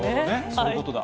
そういうことだ。